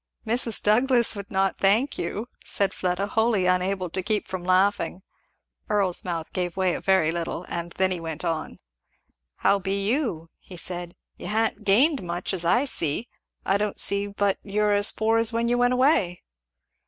"Mrs. Douglass would not thank you," said Fleda, wholly unable to keep from laughing. Earl's mouth gave way a very little, and then he went on. "How be you?" he said. "You ha'n't gained much, as I see. I don't see but you're as poor as when you went away."